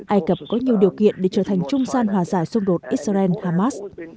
ai cập có nhiều điều kiện để trở thành trung gian hòa giải xung đột israel hamas